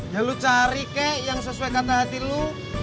ya lo cari kek yang sesuai kata hati lo